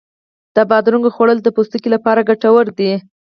د بادرنګو خوړل د پوستکي لپاره ګټور دی.